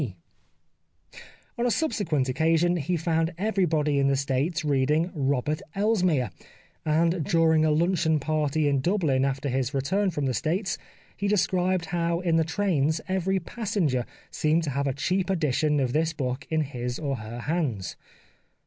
220 The Life of Oscar Wilde On a subsequent occasion he found everybody in the States reading *' Robert Elsmere," and dur ing a luncheon party in Dubhn after his return from the States he described how in the trains every passenger seemed to have a cheap edition of this book in his or her hands.